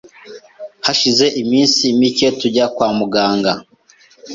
Hashize iminsi mike tujya kwa muganga